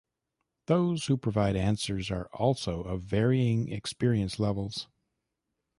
Those who provide answers are also of varying experience levels.